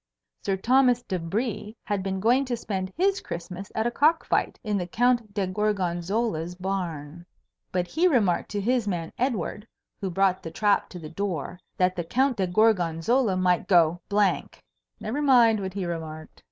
Sir Thomas de Brie had been going to spend his Christmas at a cock fight in the Count de Gorgonzola's barn. But he remarked to his man Edward, who brought the trap to the door, that the Count de Gorgonzola might go Never mind what he remarked.